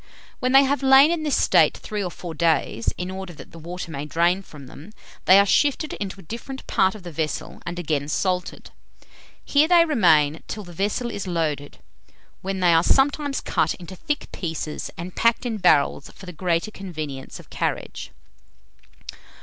When they have lain in this state three or four days, in order that the water may drain from them, they are shifted into a different part of the vessel, and again salted. Here they remain till the vessel is loaded, when they are sometimes cut into thick pieces and packed in barrels for the greater convenience of carriage.